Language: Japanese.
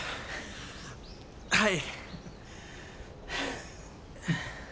はい！